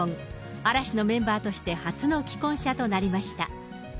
嵐のメンバーとして初の既婚者となりました。